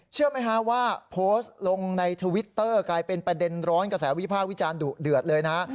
เชื่อไหมฮะว่าโพสต์ลงในทวิตเตอร์กลายเป็นประเด็นร้อนกระแสวิภาควิจารณ์ดุเดือดเลยนะ